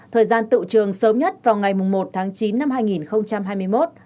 thời gian tự trường sớm nhất vào ngày một tháng chín năm hai nghìn hai mươi một